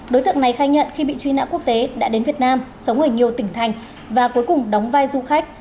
đối tượng này khai nhận khi bị truy nã quốc tế đã đến việt nam sống ở nhiều tỉnh thành và cuối cùng đóng vai du khách